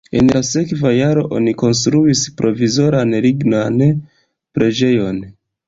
En la sekva jaro oni konstruis provizoran lignan preĝejon.